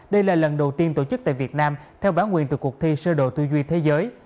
đây là lần đầu tiên tổ chức tại việt nam theo bản quyền từ cuộc thi sơ đồ tư duy thế giới